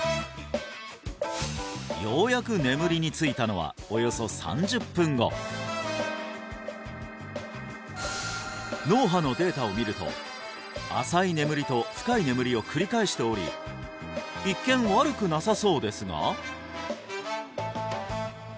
ようやく眠りについたのはおよそ３０分後脳波のデータを見ると浅い眠りと深い眠りを繰り返しており一見悪くなさそうですが？